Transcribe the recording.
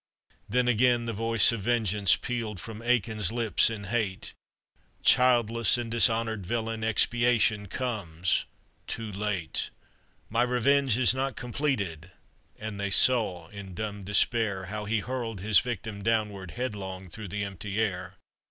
Then again the voice of vengeance Pealed from Eachann's lips in hate, "Childless and dishonored villain, Expiation comes too late! " My revenge is not completed !" And they saw in dumb despair How he hurled his victim downward Headlong through the empty air.